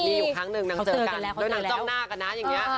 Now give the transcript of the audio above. ตอนนี้อยู่ครั้งนึงนังเจอกันนังนั่งจ้องหน้ากันนะอย่างเนี้ย